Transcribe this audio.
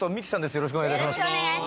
よろしくお願いします。